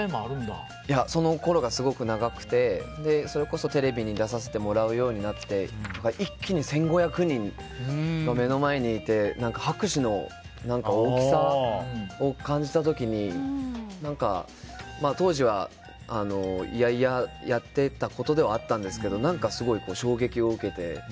そのころが長くてそれこそテレビに出させてもらうようになって一気に１５００人が目の前にいて拍手の大きさを感じた時に何か当時は嫌々やっていたことではあるんですがすごい衝撃を受けて。